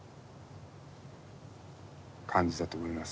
感じだと思います。